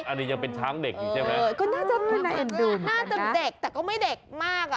อันนี้ยังเป็นช้างเด็กอยู่ใช่ไหมเออก็น่าจะเด็กแต่ก็ไม่เด็กมากอ่ะ